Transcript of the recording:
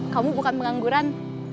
kamu bukan pengangguran